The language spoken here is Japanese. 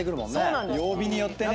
曜日によってね